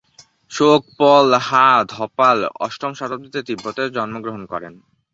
সোগ-পো-ল্হা-দ্পাল অষ্টম শতাব্দীতে তিব্বতে জন্মগ্রহণ করেন।